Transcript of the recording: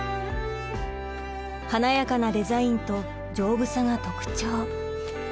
華やかなデザインと丈夫さが特徴。